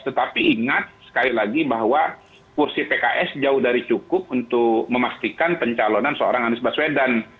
tetapi ingat sekali lagi bahwa kursi pks jauh dari cukup untuk memastikan pencalonan seorang anies baswedan